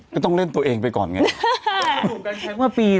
ก็ต้องเล่นตัวเองไปก่อนไง